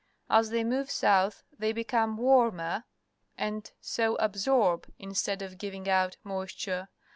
As they move south, they become warmer, and so absorb, instead of giving out, moisture.